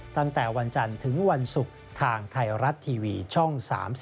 ตั้งแต่วันจันทร์ถึงวันศุกร์ทางไทยรัฐทีวีช่อง๓๒